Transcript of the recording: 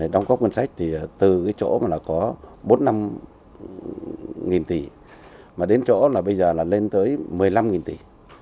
đóng cốc ngân sách thì từ cái chỗ mà nó có bốn năm nghìn tỷ mà đến chỗ là bây giờ là lên tới một mươi năm nghìn tỷ